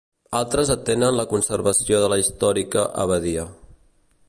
Altres atenen la conservació de la històrica abadia.